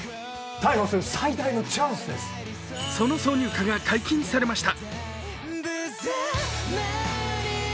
その挿入歌が解禁されました。